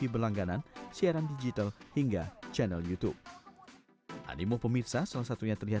mengapa mereka harus menonton anda